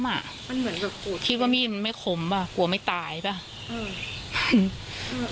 มันเหมือนกับกูคิดว่ามีดมันไม่คมป่ะกลัวไม่ตายป่ะ